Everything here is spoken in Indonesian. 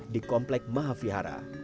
di komplek mahavihara